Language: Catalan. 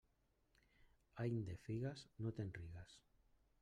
Any de figues, no te'n rigues.